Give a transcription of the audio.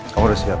kamu udah siap